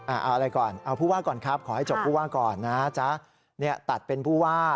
เอาอะไรก่อนเอาผู้ว่าก่อนครับขอให้จบผู้ว่าก่อนนะจ๊ะเนี่ยตัดเป็นผู้ว่า